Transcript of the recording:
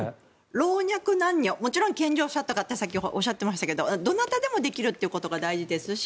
老若男女もちろん健常者ってさっき、おっしゃってましたけどどなたでもできるということが大事ですし